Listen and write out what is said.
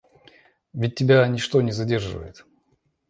Ведь тебя ничто не задерживает?